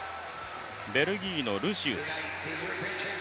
ベルギーのルシウス。